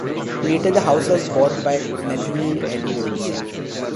Later, the house was bought by Nathaniel Edwards.